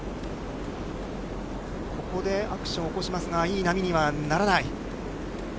ここでアクションを起こしますが、いい波にはならない。